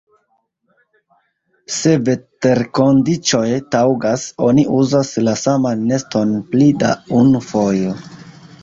Se veterkondiĉoj taŭgas, oni uzas la saman neston pli da unu fojo.